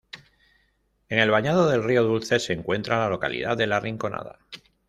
En el Bañado del Río Dulce se encuentra la localidad de La Rinconada.